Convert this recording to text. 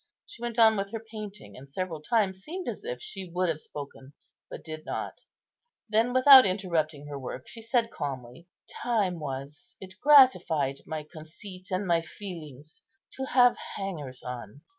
She went on with her painting, and several times seemed as if she would have spoken, but did not. Then, without interrupting her work, she said calmly, "Time was, it gratified my conceit and my feelings to have hangers on.